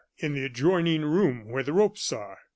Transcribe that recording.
"In the adjoining room where the ropes are."